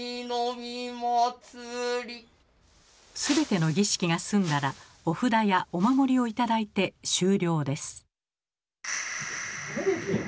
全ての儀式が済んだらお札やお守りを頂いて終了です。